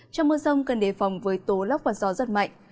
trong mưa rông cần đề phòng với tố lốc và gió rất mạnh